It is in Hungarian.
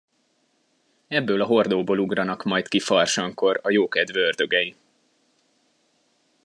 Ebből a hordóból ugranak majd ki farsangkor a jókedv ördögei!